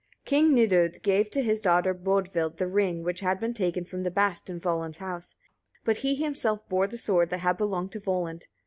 King Nidud gave to his daughter Bodvild the ring which had been taken from the bast in Volund's house; but he himself bore the sword that had belonged to Volund.